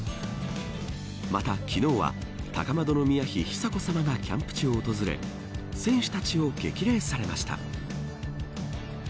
また、昨日は高円宮妃久子さまがキャンプ地を訪れ選手たちを激励されました。